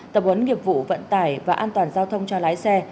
tập huấn nghiệp vụ vận tải và an toàn giao thông cho lái xe